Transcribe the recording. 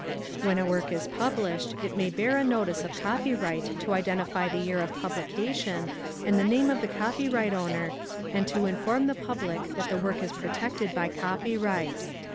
+ When a work is published, it may bear a notice of copyright to identify the year of publication and the name of the copyright owner and to inform the public that the work is protected by copyright.